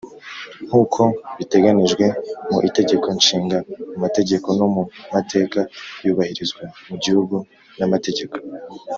nk uko biteganijwe mu Itegeko Nshinga mu mategeko no mu mateka yubahirizwa mu gihugu n amategeko